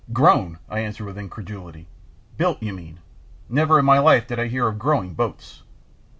"Grown!" I answered with incredulity. "Built, you mean. Never in my life did I hear of growing boats."